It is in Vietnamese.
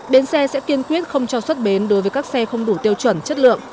bến xe sẽ kiên quyết không cho xuất bến đối với các xe không đủ tiêu chuẩn chất lượng